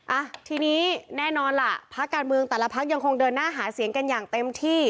อ่ะทีนี้แน่นอนล่ะพักการเมืองแต่ละพักยังคงเดินหน้าหาเสียงกันอย่างเต็มที่